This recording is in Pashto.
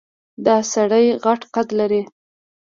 دا سړی غټ قد لري.